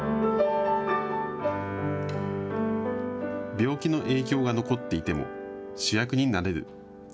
病気の影響が残っていても主役になれる。